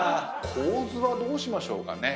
構図はどうしましょうかね？